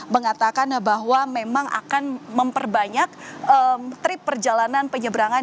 mengatakan bahwa memang akan memperbanyak trip perjalanan penyeberangan